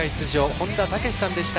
本田武史さんでした。